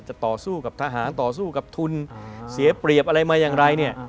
ต่อสู้กับทหารต่อสู้กับทุนเสียเปรียบอะไรมาอย่างไรเนี่ย